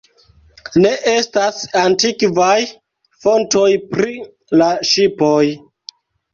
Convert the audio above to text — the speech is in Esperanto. Ne estas antikvaj fontoj pri la ŝipoj.